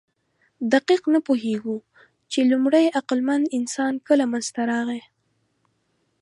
دقیق نه پوهېږو، چې لومړی عقلمن انسان کله منځ ته راغی.